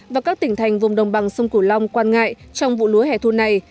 và các tỉnh thành vùng đồng bằng sông cửu long quan ngại trong vụ lúa hẻ thu này